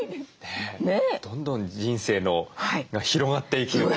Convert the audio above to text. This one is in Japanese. ねっどんどん人生が広がっていく。